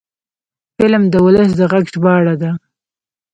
فلم د ولس د غږ ژباړه ده